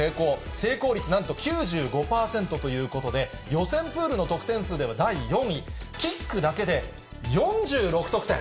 成功率なんと９５％ということで、予選プールの得点数では第４位、キックだけで４６得点。